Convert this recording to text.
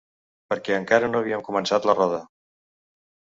Perquè encara no havíem començat la roda.